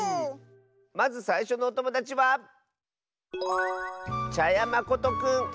まずさいしょのおともだちはまことくんの。